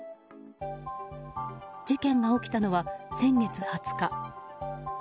事件が起きたのは先月２０日。